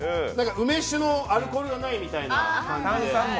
梅酒のアルコールがないみたいな。